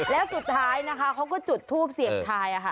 แล้วสุดท้ายนะคะเขาก็จุดทูปเสียงทายค่ะ